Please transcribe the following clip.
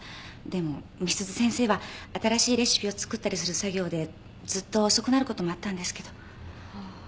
でも美鈴先生は新しいレシピを作ったりする作業でずっと遅くなることもあったんですけど。はあ。